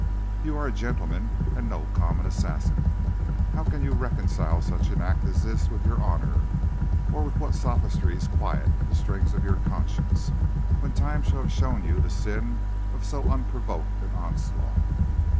"'You are a gentleman, and no common assassin. How can you reconcile such an act as this with your honor, or with what sophistries quiet the stings of your conscience when time shall have shown you the sin of so unprovoked an onslaught?'